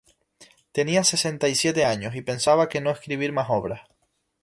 Tenía sesenta y siete años, y pensaba que no escribir más obras.